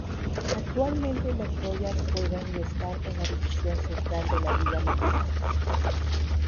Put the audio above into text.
Actualmente los Royals juegan y están en la División Central de la Liga Americana.